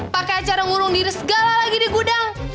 pakai acara ngurung diri segala lagi di gudang